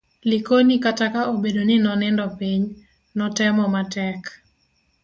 Likono kata ka obedo ni nonindo piny, notemo matek